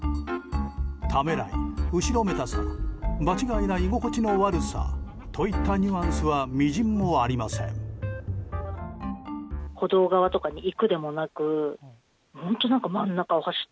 ためらい、後ろめたさ場違いの居心地の悪さといったニュアンスは微塵もありません。